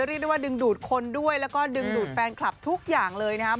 เรียกได้ว่าดึงดูดคนด้วยแล้วก็ดึงดูดแฟนคลับทุกอย่างเลยนะครับ